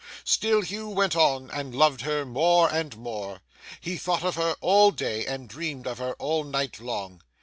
Still Hugh went on, and loved her more and more. He thought of her all day, and dreamed of her all night long.